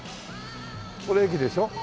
これ駅でしょ？